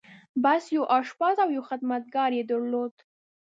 بس! يو آشپز او يو خدمتګار يې درلود.